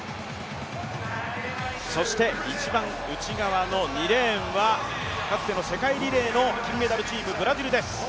１番内側の２レーンはかつての世界リレーの金メダルチーム、ブラジルです。